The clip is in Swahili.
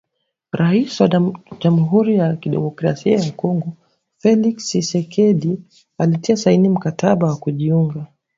Rais wa Jamhuri ya kidemokrasia ya Kongo Felix Tchisekedi alitia saini mkataba wa kujiunga.